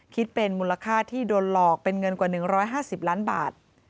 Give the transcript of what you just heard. คิดเป็นมูลค่าที่โดนหลอกเป็นเงินกว่า๑๕๐ล้านบาท